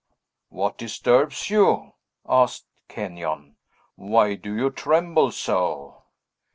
"What disturbs you?" asked Kenyon. "Why do you tremble so?"